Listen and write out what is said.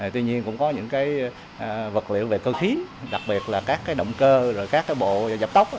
tuy nhiên cũng có những vật liệu về cơ khí đặc biệt là các động cơ các bộ dập tốc